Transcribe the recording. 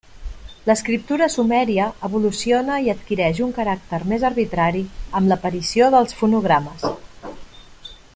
L'escriptura sumèria evoluciona i adquireix un caràcter més arbitrari, amb l'aparició dels fonogrames.